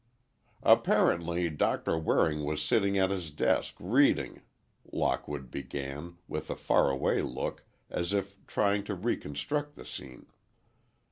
"Apparently, Doctor Waring was sitting at his desk, reading," Lockwood began, with a faraway look, as if trying to reconstruct the scene.